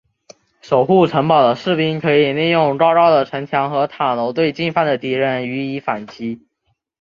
守护城堡的士兵可以利用高高的城墙和塔楼对进犯的敌人予以反击。